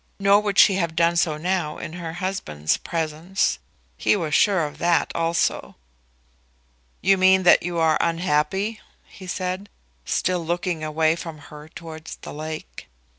Nor would she have done so now in her husband's presence. He was sure of that also. "You mean that you are unhappy?" he said, still looking away from her towards the lake.